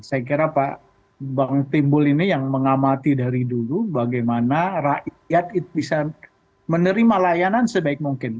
saya kira pak bang timbul ini yang mengamati dari dulu bagaimana rakyat bisa menerima layanan sebaik mungkin